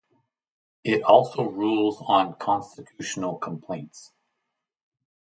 It also rules on constitutional complaints.